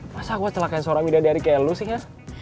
masa gua celakain seorang mida dari kaya lu sih ya